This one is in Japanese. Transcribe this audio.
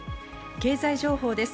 経済情報です。